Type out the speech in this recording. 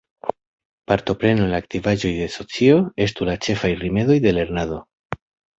Partopreno en la aktivaĵoj de socio estu la ĉefaj rimedoj de lernado.